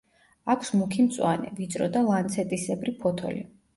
აქვს მუქი მწვანე, ვიწრო და ლანცეტისებრი ფოთოლი.